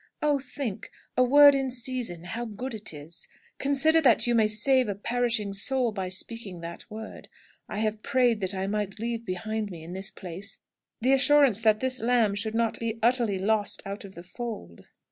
Oh think, a word in season, how good it is! Consider that you may save a perishing soul by speaking that word. I have prayed that I might leave behind me in this place the assurance that this lamb should not be utterly lost out of the fold."